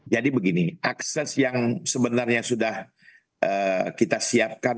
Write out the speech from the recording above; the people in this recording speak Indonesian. jadi begini akses yang sebenarnya sudah kita siapkan